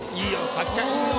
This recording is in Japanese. かっちゃんいいよ。